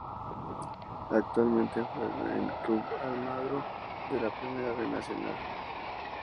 Actualmente juega en Club Almagro de la Primera B Nacional.